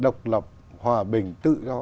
độc lập hòa bình tự do